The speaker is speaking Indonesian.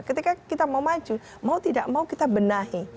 ketika kita mau maju mau tidak mau kita benahi